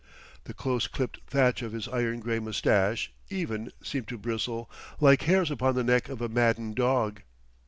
The close clipped thatch of his iron gray mustache, even, seemed to bristle like hairs upon the neck of a maddened dog.